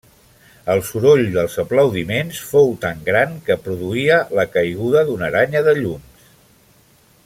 El soroll dels aplaudiments fou tan gran que produïa la caiguda d'una aranya de llums.